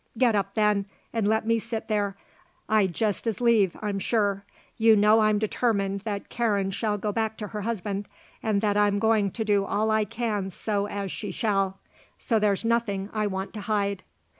"Get up, then, and let me sit there. I'd just as leave I'm sure. You know I'm determined that Karen shall go back to her husband and that I'm going to do all I can so as she shall. So there's nothing I want to hide."